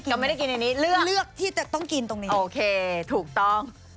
โอเคเลือกที่ต้องกินตรงนี้โอเคถูกต้อง